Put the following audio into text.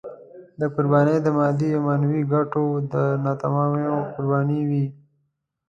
دا قربانۍ د مادي او معنوي ګټو د ناتمامیو قربانۍ وې.